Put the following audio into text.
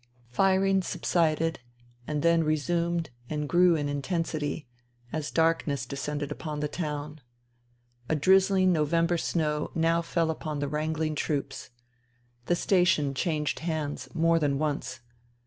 Firing subsided and then resumed and grew in intensity, as darkness descended upon the town. A drizzling November snow now fell upon the wrangling troops. The station changed hands more than once.